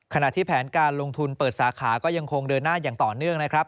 ขณะที่แผนการลงทุนเปิดสาขาก็ยังคงเดินหน้าอย่างต่อหน้า